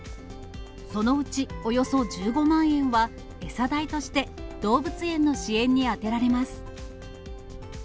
そのうちおよそ１５万円は、餌代として動物園の支援に充てられます。